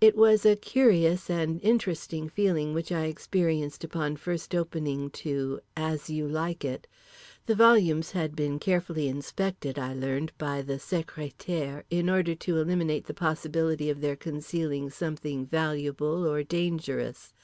It was a curious and interesting feeling which I experienced upon first opening to "As You Like It" … the volumes had been carefully inspected, I learned, by the sécrétaire, in order to eliminate the possibility of their concealing something valuable or dangerous.